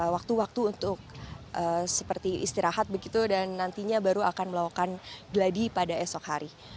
waktu waktu untuk seperti istirahat begitu dan nantinya baru akan melakukan gladi pada esok hari